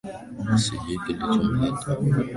Sijui kilichomleta hapo